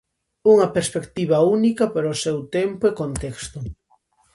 Unha perspectiva única para o seu tempo e contexto.